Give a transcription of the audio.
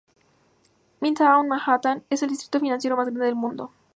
Midtown Manhattan es el distrito financiero más grande del mundo.